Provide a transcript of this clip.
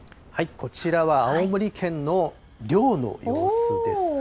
こちらは青森県の漁の様子です。